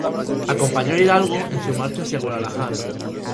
Acompañó a Hidalgo en su marcha hacia Guadalajara.